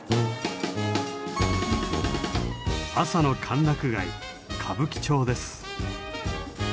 朝の歓楽街歌舞伎町です。